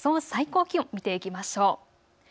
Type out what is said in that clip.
最高気温、見ていきましょう。